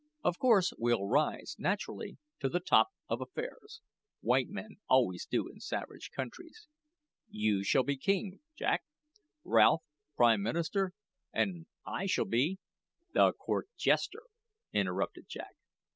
Of course we'll rise, naturally, to the top of affairs: white men always do in savage countries. You shall be king, Jack; Ralph, prime minister; and I shall be " "The court jester," interrupted Jack.